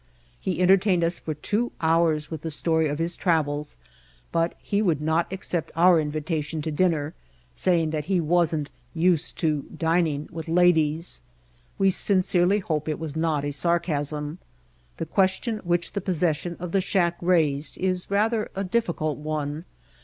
He entertained us for two hours with the story of his travels, but he would not accept our invitation to dinner, saying that he wasn't used to "dining with ladies." We sin cerely hope it was not a sarcasm. The question which the possession of the shack raised is rather a difficult one.